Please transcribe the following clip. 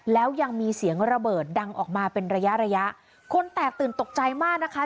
แล้วยังมีเสียงระเบิดดังออกมาเป็นระยะระยะคนแตกตื่นตกใจมากนะคะ